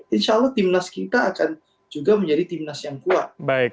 insya allah timnas kita akan juga menjadi timnas yang kuat